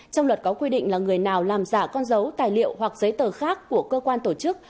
trong luật có quy định là người nào làm giả con dấu tài liệu hoặc giấy tờ khác của cơ quan tổ chức